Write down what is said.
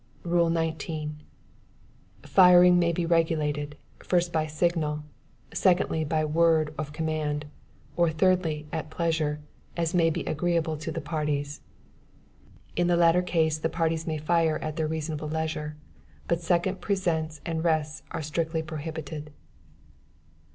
"Rule 19. Firing may be regulated, first by signal; secondly, by word of command; or, thirdly, at pleasure, as may be agreeable to the parties. In the latter case, the parties may fire at their reasonable leisure, but second presents and rests are strictly prohibited.